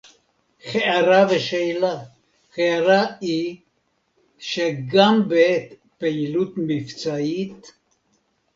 הערה ושאלה: ההערה היא שגם בעת פעילות מבצעית